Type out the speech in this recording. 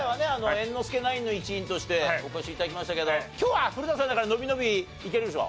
猿之助ナインの一員としてお越し頂きましたけど今日は古田さんだから伸び伸びいけるでしょ？